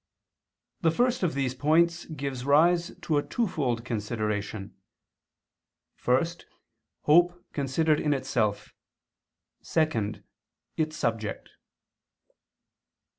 The first of these points gives rise to a twofold consideration: (1) hope, considered in itself; (2) its subject.